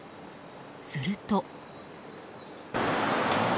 すると。